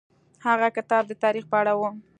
هغه کتاب د تاریخ په اړه و.